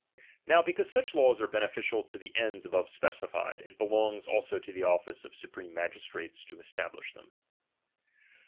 Now because such laws are beneficial to the ends above specified, it belongs also to the office of supreme magistrates to establish them.